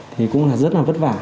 thì cũng là rất là vất vả